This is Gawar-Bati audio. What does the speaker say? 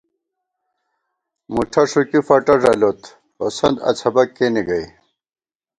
مُٹھہ ݭُکی فٹہ ݫَلوت ، ہوسند اڅھبَک کېنےگئ